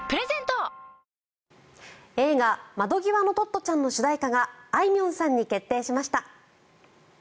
４月の県議選のあと映画「窓ぎわのトットちゃん」の主題歌があいみょんさんに決定しました。